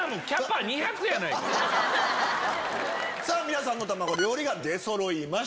皆さんの卵料理が出そろいました。